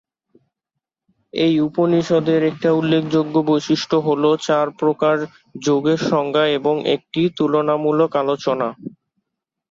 এই উপনিষদের একটি উল্লেখযোগ্য বৈশিষ্ট্য হল চার প্রকার যোগের সংজ্ঞা এবং একটি তুলনামূলক আলোচনা।